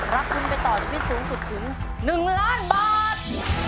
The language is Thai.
รับทุนไปต่อชีวิตสูงสุดถึง๑ล้านบาท